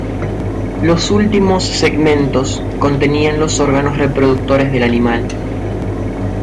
Los últimos segmentos contenían los órganos reproductores del animal.